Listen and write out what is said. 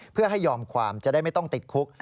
เพื่อให้ยอมความจะได้ไม่ต้องติดคุก